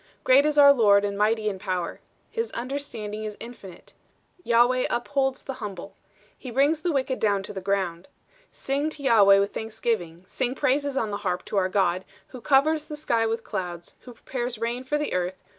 Great is our Lord, and mighty in power; his understanding is infinite. The Lord upholdeth the meek; he bringeth the wicked down to the ground. Sing unto the Lord with thanksgiving ; Sing praises upon the harp unto our God, Who covereth the heavens with clouds, who prepareth rain for the earth.